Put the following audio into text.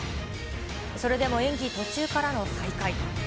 それでも演技途中からの再開。